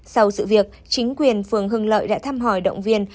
sau sự việc chính quyền phường hưng lợi đã thăm hỏi động viên